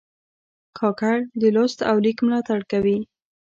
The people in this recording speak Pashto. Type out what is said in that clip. کاکړ د لوست او لیک ملاتړ کوي.